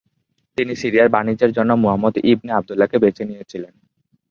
তিনি সিরিয়ার বাণিজ্যের জন্য মুহাম্মাদ ইবনে আবদুল্লাহকে বেছে নিয়েছিলেন।